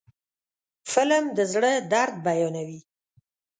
فلم د زړه درد بیانوي